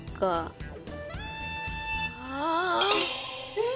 えっ？